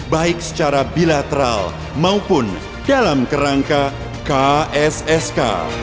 baik secara bilateral maupun dalam kerangka kssk